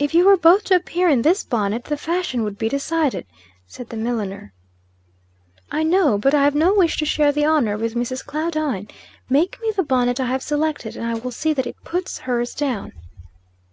"If you were both to appear in this bonnet, the fashion would be decided," said the milliner. "I know. But I have no wish to share the honor with Mrs. Claudine. Make me the bonnet I have selected, and I will see that it puts hers down."